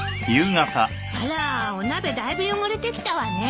あらお鍋だいぶ汚れてきたわね。